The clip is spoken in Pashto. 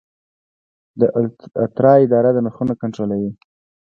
د اترا اداره نرخونه کنټرولوي؟